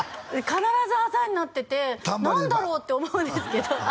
必ずあざになってて何だろうって思うんですけど